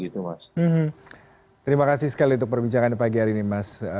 terima kasih sekali untuk perbincangan pagi hari ini mas